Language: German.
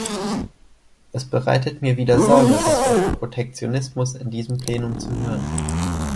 Es bereitet mir wieder Sorge, das Wort "Protektionismus" in diesem Plenum zu hören.